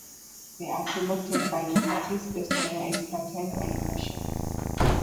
They are selected by the parties based on their expertise and impartiality.